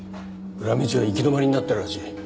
裏道は行き止まりになってるらしい。